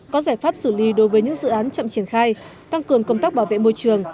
có giải pháp xử lý đối với những dự án chậm triển khai tăng cường công tác bảo vệ môi trường